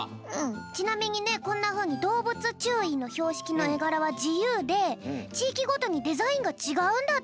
ちなみにねこんなふうにどうぶつちゅういのひょうしきのえがらはじゆうでちいきごとにデザインがちがうんだって。